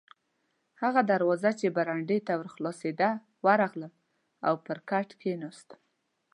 هغه دروازه چې برنډې ته ور خلاصېده، راغلم او پر کټ کښېناستم.